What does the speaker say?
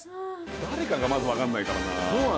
誰かがまず分かんないからな。